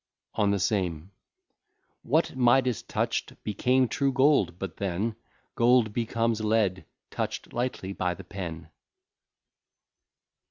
ON THE SAME What Midas touch'd became true gold, but then, Gold becomes lead touch'd lightly by thy pen.